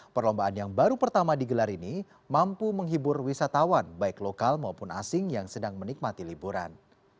perlombaan yang baru pertama digelar ini mampu menghibur wisatawan baik lokal maupun asing yang sedang menikmati liburan